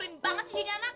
ya udah masa dia siap